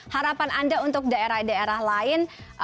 harapan anda untuk daerah daerah lain